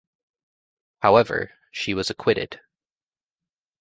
However, she was acquitted.